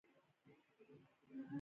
د عوامو د حقوقو د خوندیتوب لپاره وه